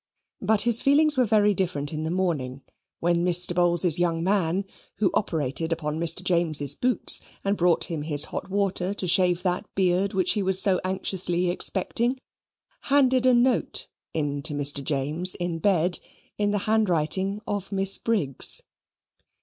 But his feelings were very different in the morning, when Mr. Bowls's young man, who operated upon Mr. James's boots, and brought him his hot water to shave that beard which he was so anxiously expecting, handed a note in to Mr. James in bed, in the handwriting of Miss Briggs.